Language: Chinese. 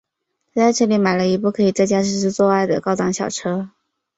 他在车店里买了一部可以在驾驶室做爱的高档小车。